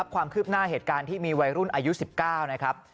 ความคืบหน้าเหตุการณ์ที่มีวัยรุ่นอายุ๑๙นะครับ